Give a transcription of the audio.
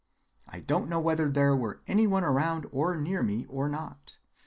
I don't know whether there were any one around or near me or not.